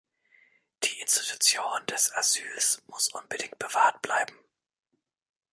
Die Institution des Asyls muss unbedingt bewahrt bleiben.